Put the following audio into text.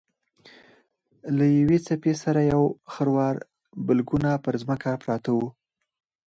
له یوې څپې سره یو خروار بلګونه پر ځمکه پراته وو.